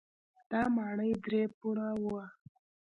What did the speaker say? دا ماڼۍ درې پوړه وه.